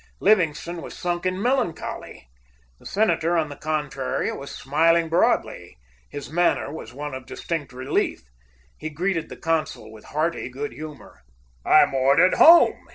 Livingstone was sunk in melancholy. The senator, on the contrary, was smiling broadly. His manner was one of distinct relief. He greeted the consul with hearty good humor. "I'm ordered home!"